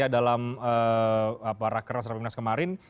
dalam rakyat rasulullah ibn nas kemarin